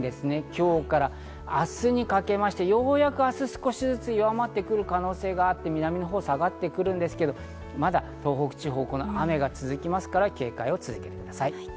今日から明日にかけまして、ようやく明日、少しずつ弱まってくる可能性があって南のほうに下がってくるんですけど、まだ東北地方、雨が続きますから警戒を続けてください。